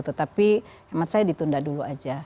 tetapi hemat saya ditunda dulu aja